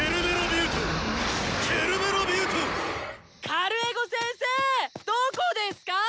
カルエゴせんせーどこですか？